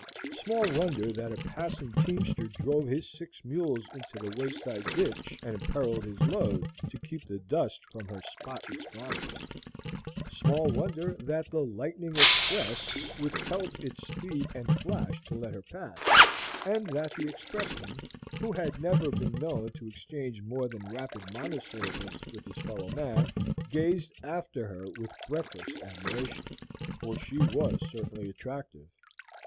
Small wonder that a passing teamster drove his six mules into the wayside ditch and imperilled his load, to keep the dust from her spotless garments; small wonder that the "Lightning Express" withheld its speed and flash to let her pass, and that the expressman, who had never been known to exchange more than rapid monosyllables with his fellow man, gazed after her with breathless admiration. For she was certainly attractive.